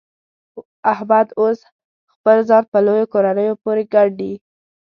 احمد اوس خپل ځان په لویو کورنیو پورې ګنډي.